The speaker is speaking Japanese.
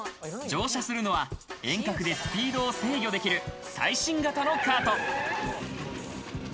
乗車するのは、遠隔でスピードを制御できる最新型のカート。